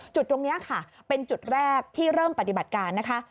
จุดตรงนี้ค่ะเป็นจุดแรกที่เริ่มปฏิบัติการนะคะ